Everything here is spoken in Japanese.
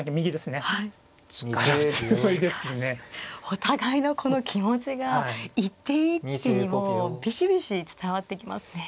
お互いのこの気持ちが一手一手にもうビシビシ伝わってきますね。